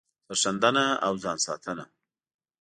سر ښندنه او ځان ساتنه